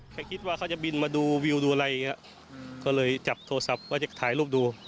แค่คิดว่าเขาจะบินมาดูวิวดูอะไรอย่างเงี้ยก็เลยจับโทรศัพท์ว่าจะถ่ายรูปดู